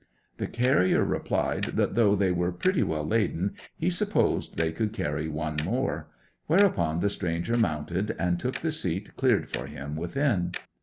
The carrier replied that though they were pretty well laden he supposed they could carry one more, whereupon the stranger mounted, and took the seat cleared for him within.